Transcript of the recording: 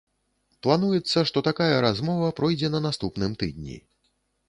Плануецца, што такая размова пройдзе на наступным тыдні.